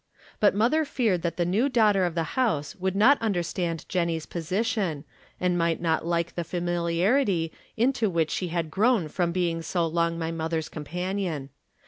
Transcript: But mother feared that the new daughter of the house would not understand Jenny's position, and might not like the familiarity into which she had grown from being so long my mother's companion.